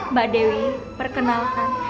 mbak dewi perkenalkan